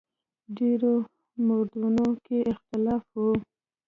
ډېرو موردونو کې اختلاف و.